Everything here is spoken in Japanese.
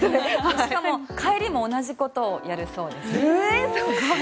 しかも帰りも同じことをやるそうよ。